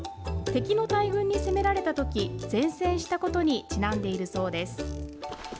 敵の大軍に攻められたとき、善戦したことにちなんでいるそうです。